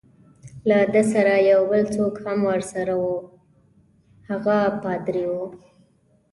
له ده سره یو بل څوک هم ورسره وو، هغه پادري وو.